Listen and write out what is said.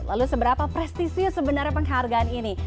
lalu seberapa prestisius sebenarnya penghargaan ini